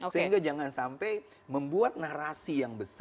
sehingga jangan sampai membuat narasi yang besar